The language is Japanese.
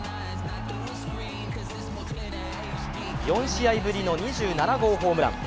４試合ぶりの２７号ホームラン。